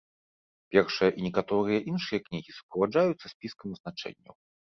Першая і некаторыя іншыя кнігі суправаджаюцца спіскам азначэнняў.